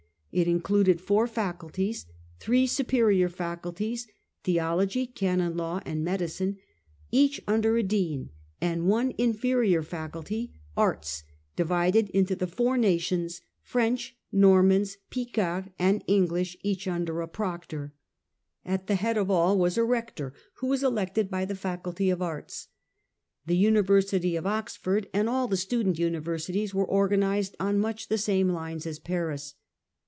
It included four faculties: three superior faculties, Theology, Canon Law, and Medicine, each under a dean, and one inferior faculty. Arts, divided into the four nations, French, Normans, Picards, and English, each under a proctor. At the head of all was a Eector, who was elected by the Faculty of Arts. The University of Oxford, and all the Student Universities, were organized on much the same lines as Paris.